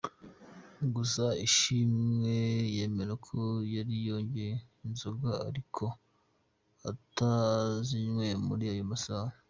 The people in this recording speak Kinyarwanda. Gusa Ishimwe yemera ko yari yanyoye inzoga ariko ko atazinyweye muri ayo masaha.